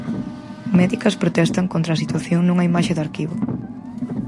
Médicas protestan contra a situación nunha imaxe de arquivo.